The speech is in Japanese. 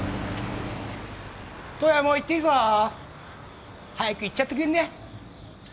斗也もう行っていいぞ早く行っちゃってくんね？